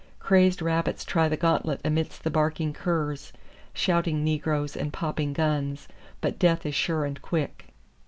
Crazed rabbits try the gauntlet amidst the barking curs, shouting negroes and popping guns, but death is sure and quick.